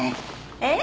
えっ？